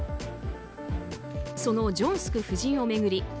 そのジョンスク夫人を巡り